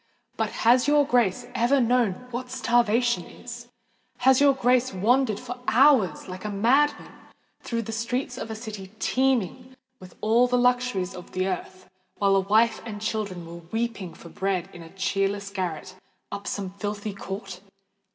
But has your Grace ever known what starvation is? has your Grace wandered for hours, like a madman, through the streets of a city teeming with all the luxuries of the earth, while a wife and children were weeping for bread in a cheerless garret up some filthy court?